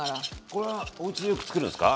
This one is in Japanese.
これはおうちでよくつくるんですか？